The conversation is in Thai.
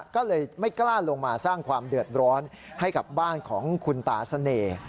ก็เลยไม่กล้าลงมาสร้างความเดือดร้อนให้กับบ้านของคุณตาเสน่ห์